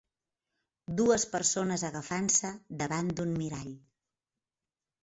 Dues persones agafant-se davant d'un mirall.